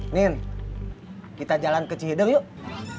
nin kita jalan ke cihideng yuk